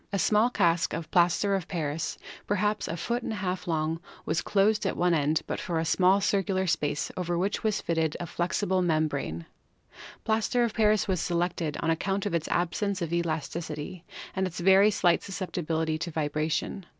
A small cask of plaster of Paris, perhaps a foot and a half long, was closed at one — Mechanism of the Ear. end but for a small circular space over which was fitted a flexible membrane. Plaster of Paris was selected on ac count of* its absence of elasticity and its very slight sus ceptibility tc vibration.